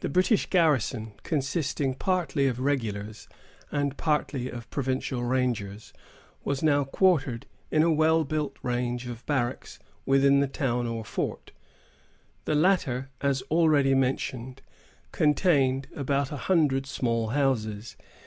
The British garrison, consisting partly of regulars and partly of provincial rangers, was now quartered in a well built range of barracks within the town or fort. The latter, as already mentioned, contained about a hundred small houses.